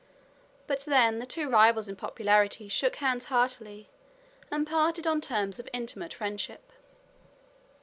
But then the two rivals in popularity shook hands heartily and parted on terms of intimate friendship.